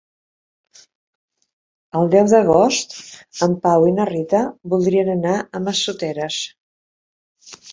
El deu d'agost en Pau i na Rita voldrien anar a Massoteres.